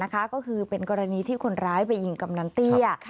ก็คือเป็นกรณีที่คนร้ายไปยิงกำนันเตี้ย